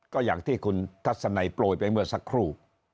ก็อย่างที่คุณทัศนัยโปรยไปเมื่อสักครู่